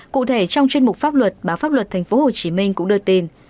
cụ thể trong chuyên mục pháp luật báo pháp luật tp hcm cũng đưa tin